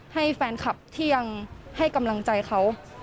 ให้แฟนคลับที่ยังให้กำลังใจเขา